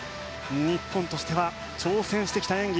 日本としては挑戦してきた演技。